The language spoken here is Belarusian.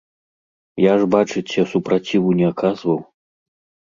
Я ж бачыце, супраціву не аказваў.